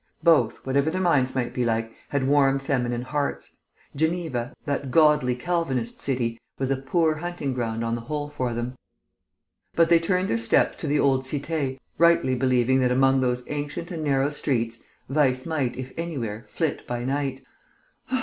Both, whatever their minds might be like, had warm feminine hearts. Geneva, that godly Calvinist city, was a poor hunting ground on the whole for them. But they turned their steps to the old cité, rightly believing that among those ancient and narrow streets vice might, if anywhere, flit by night.